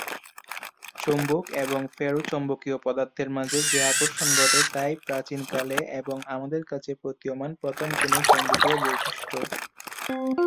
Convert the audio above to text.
চুম্বক এবং ফেরোচৌম্বকীয় পদার্থের মাঝে যে আকর্ষণ ঘটে তাই প্রাচীন কালে এবং আমাদের কাছে প্রতীয়মান প্রথম কোনো চৌম্বকীয় বৈশিষ্ট্য।